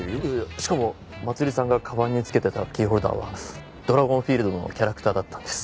しかもまつりさんがかばんに付けてたキーホルダーは『ドラゴンフィールド』のキャラクターだったんです。